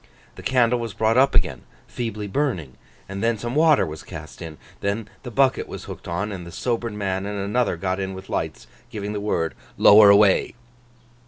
The candle was brought up again, feebly burning, and then some water was cast in. Then the bucket was hooked on; and the sobered man and another got in with lights, giving the word 'Lower away!